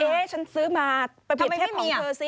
ฉันซื้อมาประเภทของเธอสิ